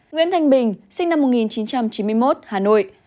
nguyễn thanh bình sinh năm một nghìn chín trăm chín mươi một hà nội